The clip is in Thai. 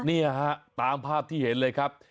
นี่ฮะตามภาพที่เห็นเลยครับ